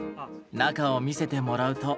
中を見せてもらうと。